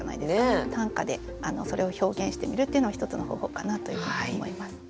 短歌でそれを表現してみるっていうのは一つの方法かなというふうに思います。